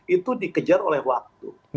itu dikejar oleh waktu